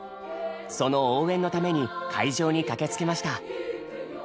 その応援のために会場に駆けつけました。